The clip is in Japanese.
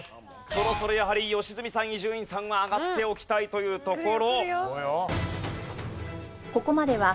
そろそろやはり良純さん伊集院さんは上がっておきたいというところ。